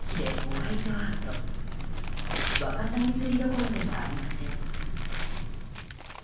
ワカサギ釣りどころではありません。